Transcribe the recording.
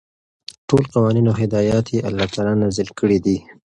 ټول قوانين او هدايات يي الله تعالى نازل كړي دي ،